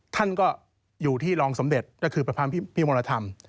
ท่านก็อยู่ที่รองสมเด็จก็คือประพันธ์พี่มรธรรม